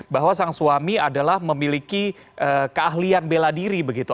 bahwa sang suami adalah memiliki keahlian bela diri begitu